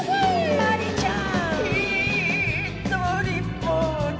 まりちゃん！